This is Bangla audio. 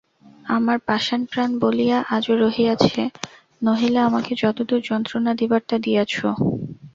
আমার পাষাণ প্রাণ বলিয়া আজও রহিয়াছে, নহিলে আমাকে যতদূর যন্ত্রণা দিবার তা দিয়াছ।